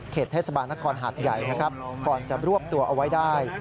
เทศบาลนครหาดใหญ่นะครับก่อนจะรวบตัวเอาไว้ได้